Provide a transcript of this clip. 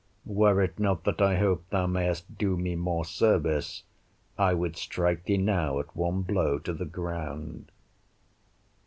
Were it not that I hope thou mayest do me more service, I would strike thee now at one blow to the ground.